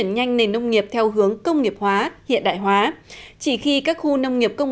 nông dân vào cuộc